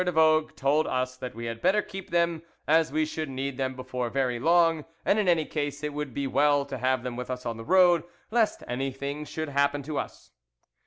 de Vogue told us that we had better keep them, as we should need them before very long; and in any case it would be well to have them with us on the road, lest anything should happen to us."